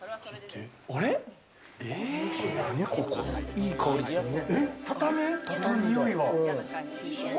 いい香りするね。